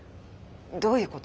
どういうこと？